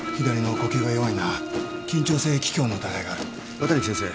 綿貫先生